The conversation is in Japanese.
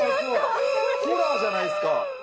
ホラーじゃないですか。